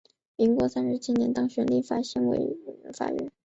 民国三十七年当选立法院立法委员。